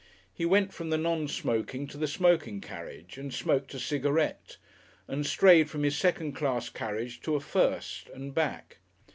He went from the non smoking to the smoking carriage and smoked a cigarette, and strayed from his second class carriage to a first and back.